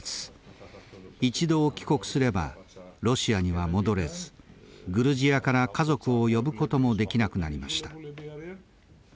一度帰国すればロシアには戻れずグルジアから家族を呼ぶこともできなくなりました。